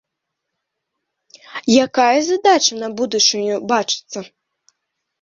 Якая задача на будучыню бачыцца?